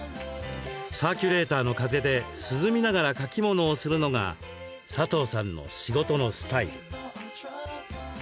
サーキュレーターの風で涼みながら書き物をするのがサトウさんの仕事のスタイル。